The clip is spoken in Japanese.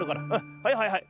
はいはいはい。